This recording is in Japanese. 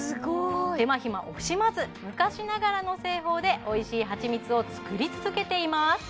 手間暇を惜しまず昔ながらの製法でおいしいはちみつを作り続けています